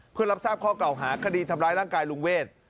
เพื่อรับทราบข้อเก่าหาคดีทำร้ายร่างกายลุงเวท